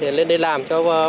thì lên đây làm cho bác